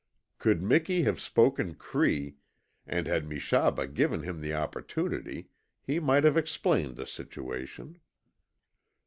Could Miki have spoken Cree, and had Meshaba given him the opportunity, he might have explained the situation.